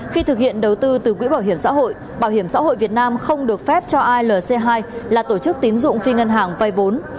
khi thực hiện đầu tư từ quỹ bảo hiểm xã hội bảo hiểm xã hội việt nam không được phép cho ilc hai là tổ chức tín dụng phi ngân hàng vay vốn